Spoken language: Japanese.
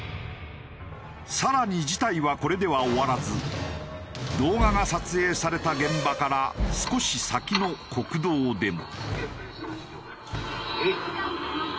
更に事態はこれでは終わらず動画が撮影された現場から少し先の国道でも。